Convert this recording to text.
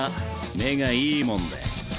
目がいいもんで。